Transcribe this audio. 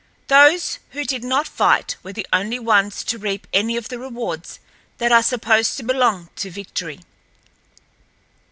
"Those who did not fight were the only ones to reap any of the rewards that are supposed to belong to victory.